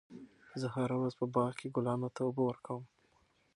زه هره ورځ په باغ کې ګلانو ته اوبه ورکوم.